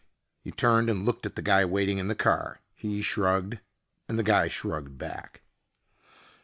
He turned and looked at the guy waiting in the car. He shrugged, and the guy shrugged back.